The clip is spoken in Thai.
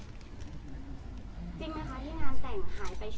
จริงไหมคะที่งานแต่งหายไปช่วงนี้เพื่อไปหาคุณโบใช่ครับ